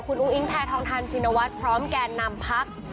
คุณอุ้งอิงแพทองทานชินวัฒน์พร้อมแก่นำพัก